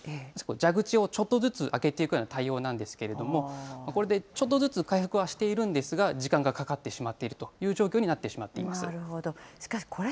蛇口をちょっとずつ開けていくような対応なんですけれども、これでちょっとずつ回復はしているんですが、時間がかかってしまっているという状況になってしまってなるほど。